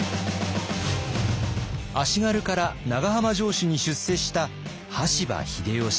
足軽から長浜城主に出世した羽柴秀吉。